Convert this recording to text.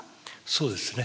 そうですね。